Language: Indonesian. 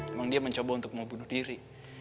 memang dia mencoba untuk mau bunuh diri